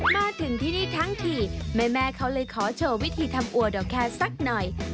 มาถึงที่นี่ทั้งทีแม่เขาเลยขอโชว์วิธีทำอัวดอกแคร์สักหน่อย